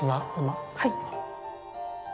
はい。